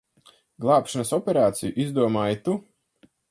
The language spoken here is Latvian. Glābšanas operāciju izdomāji tu.